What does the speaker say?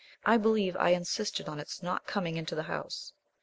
I believe I insisted on its not coming into the house.